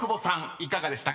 いかがでしたか？］